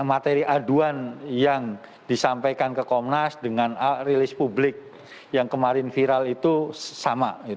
materi aduan yang disampaikan ke komnas dengan rilis publik yang kemarin viral itu sama